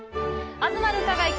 「東留伽が行く！